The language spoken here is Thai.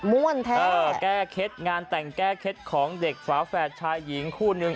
่วนแทนเออแก้เคล็ดงานแต่งแก้เคล็ดของเด็กฝาแฝดชายหญิงคู่นึง